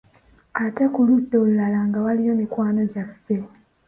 Ate ku ludda olulala nga waliyo mikwano gyaffe.